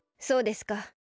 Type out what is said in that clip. そうですか。